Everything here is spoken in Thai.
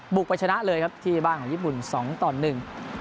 บุกไปชนะเลยครับที่บ้านของญี่ปุ่น๒ตอนนึง